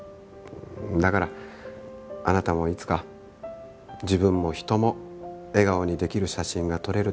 だからあなたもいつか自分も人も笑顔にできる写真が撮れるといいですね。